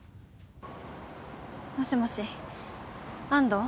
もしもし安藤？